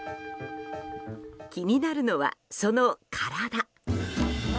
気になるのは、その体。